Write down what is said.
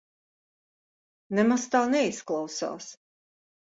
Nemaz tā neizklausās.